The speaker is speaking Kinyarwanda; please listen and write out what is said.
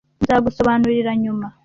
Nzagusobanurira nyuma.